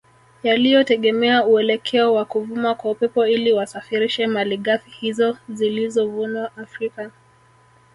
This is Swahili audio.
Yaliyotegemea uelekeo wa kuvuma kwa Upepo ili wasafirishe malighafi hizo zilizovunwa Afrika